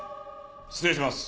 失礼します。